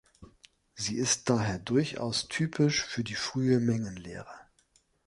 Sie ist daher durchaus typisch für die frühe Mengenlehre.